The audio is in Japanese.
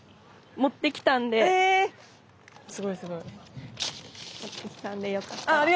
持ってきたんでよかったら。